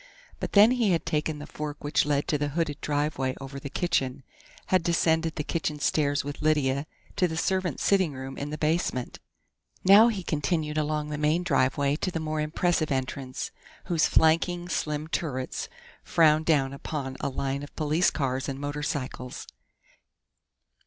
But then he had taken the fork which led to the hooded doorway over the kitchen; had descended the kitchen stairs with Lydia, to the servants' sitting room in the basement. Now he continued along the main driveway to the more impressive entrance, whose flanking, slim turrets frowned down upon a line of police cars and motorcycles.